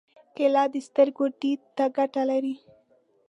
کېله د سترګو دید ته ګټه لري.